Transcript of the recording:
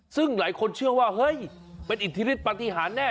ซึ่งหลายคนเชื่อว่าเฮ้ยเป็นอิทธิฤทธปฏิหารแน่